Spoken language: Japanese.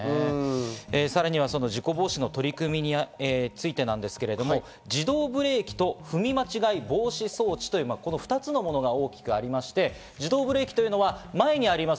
さらには事故防止の取り組みについてですが、自動ブレーキと踏み間違い防止装置という２つのものが大きくありまして、自動ブレーキというのは前にあります